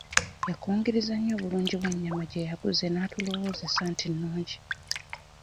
Yakungirizza nnyo obulungi bw'ennyama gye yaguze n'atulowoozesa nti nnungi.